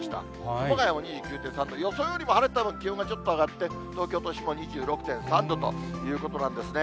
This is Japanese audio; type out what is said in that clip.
熊谷も２９．３度、晴れて気温がちょっと上がって、東京都心も２６．３度ということなんですね。